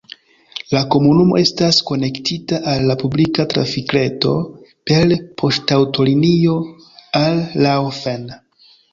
La komunumo estas konektita al la publika trafikreto per poŝtaŭtolinio al Laufen.